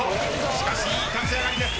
しかしいい立ち上がりです。